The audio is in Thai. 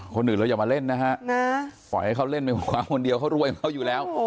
คนอื่นเราอย่ามาเล่นนะฮะปล่อยให้เขาเล่นไปหมดความคนเดียวเขารวยของเขาอยู่แล้ว